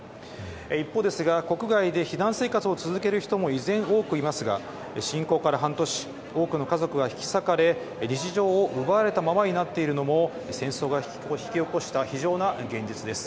一方ですが、国外で避難生活を続ける人も依然、多くいますが、侵攻から半年、多くの家族が引き裂かれ、日常を奪われたままになっているのも、戦争が引き起こした非情な現実です。